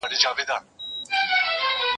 زه اوږده وخت د سبا لپاره د تمرينونو بشپړوم!